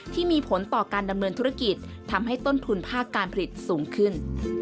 ที่มีผลต่อการดำเนินธุรกิจทำให้ต้นทุนภาคการผลิตสูงขึ้น